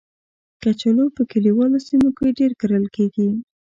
کچالو په کلیوالو سیمو کې ډېر کرل کېږي